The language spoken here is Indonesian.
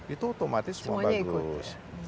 itu otomatis semua bagus